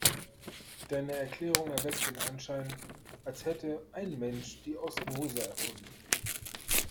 Deine Erklärung erweckt den Anschein, als hätte ein Mensch die Osmose erfunden.